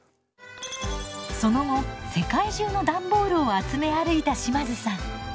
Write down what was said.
その後世界中の段ボールを集め歩いた島津さん。